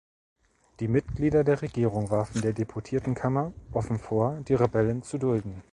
Die Mitglieder der Regierung warfen der Deputiertenkammer offen vor, die Rebellen zu dulden.